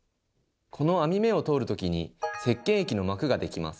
この網目を通る時にせっけん液の膜が出来ます。